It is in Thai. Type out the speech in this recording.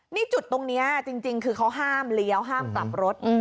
นี่จุดตรงนี้จริงคือเขาห้ามเลี้ยวห้ามกลับรถ